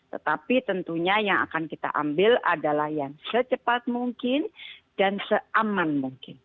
tetapi tentunya yang akan kita ambil adalah yang secepat mungkin dan seaman mungkin